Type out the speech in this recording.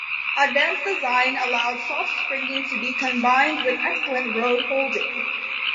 Advanced design allowed soft springing to be combined with excellent road holding.